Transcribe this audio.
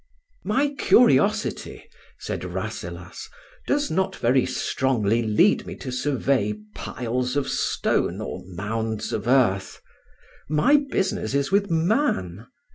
"My curiosity," said Rasselas, "does not very strongly lead me to survey piles of stone or mounds of earth. My business is with man.